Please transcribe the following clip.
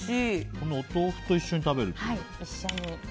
このお豆腐と一緒に食べると。